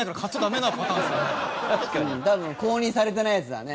多分公認されてないやつだね。